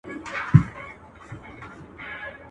o چي غول خورې کاچوغه تر ملا گرځوه.